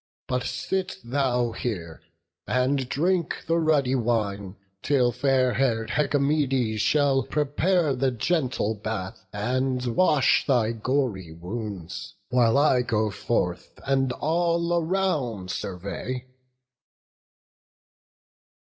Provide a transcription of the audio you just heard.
But sit thou here, and drink the ruddy wine, Till fair hair'd Hecamede shall prepare The gentle bath, and wash thy gory wounds; While I go forth, and all around survey."